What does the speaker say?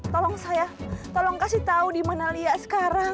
tolong saya kasih tau di mana lia sekarang